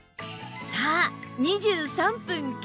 さあ２３分経過。